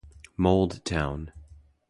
Mold Town